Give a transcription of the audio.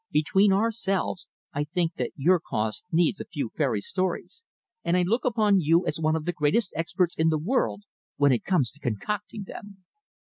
Between ourselves, I think that your cause needs a few fairy stories, and I look upon you as one of the greatest experts in the world when it comes to concocting them."